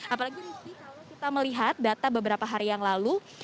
apalagi rizky kalau kita melihat data beberapa hari yang lalu